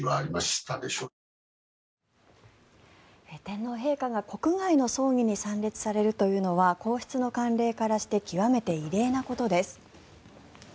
天皇陛下が国外の葬儀に参列されるというのは皇室の慣例からして極めて異例なことです。